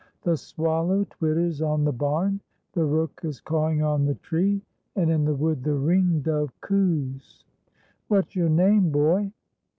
"The swallow twitters on the barn, The rook is cawing on the tree, And in the wood the ring dove coos"— "What's your name, boy?"